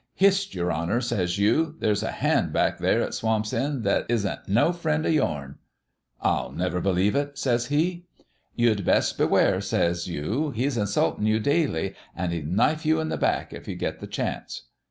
"'" Hist, Your Honour 1 " says you ; "there's a hand back there at Swamp's End that isn't no friend o' yourn." "'" I'll never believe it," says he. "'" You'd best beware," says you ;" he's in sultin' you daily, an' he'd knife you in the back if he got the chance."